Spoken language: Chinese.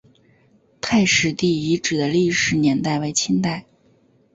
太史第遗址的历史年代为清代。